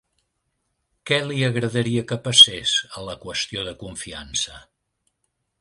Què li agradaria que passés a la qüestió de confiança?